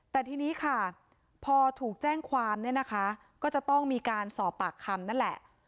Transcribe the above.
แต่ทีนี้ค่ะพอถูกแจ้งความเนี่ยนะคะก็จะต้องมีการสอบปากคำนั่นแหละ